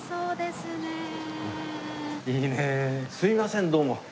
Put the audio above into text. すいませんどうも。